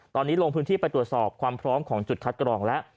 ตอนนี้ลงพื้นที่ไปตรวจสอบความพร้อมของจุดคัดกรองแล้ว